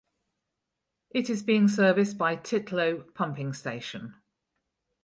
It is being serviced by Titlow pumping station.